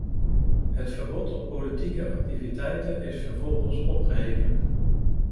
Het verbod op politieke activiteiten is vervolgens opgeheven.